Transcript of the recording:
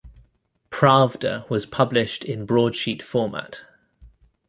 "Pravda" was published in broadsheet format.